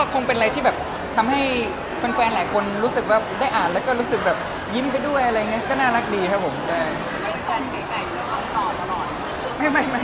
อันนี้เป็นสไตล์เขาใช่มั้ยที่เราชอบหลงน่ารักคือเขาเป็นคนที่ชอบเม้นอะไรที่ดูแบบน่ารักอะไรอย่างงี้อยู่แล้วอะนะ